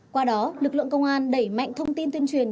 qua đó lực lượng công an đẩy mạnh thông tin tuyên truyền